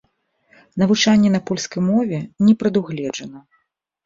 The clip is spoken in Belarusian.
Навучанне на польскай мове не прадугледжана.